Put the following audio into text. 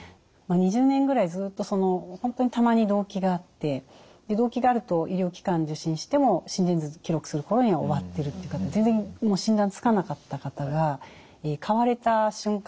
２０年ぐらいずっと本当にたまに動悸があって動悸があると医療機関受診しても心電図記録する頃には終わってるっていう方全然診断つかなかった方が買われた瞬間